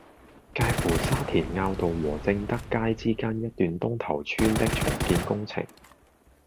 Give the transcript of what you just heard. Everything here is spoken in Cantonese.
介乎沙田坳道和正德街之間一段東頭村道的重建工程